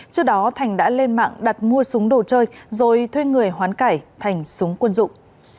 trước đó thành đã lên mạng đặt mua súng đồ chơi rồi thuê người hoán cải thành súng quân dụng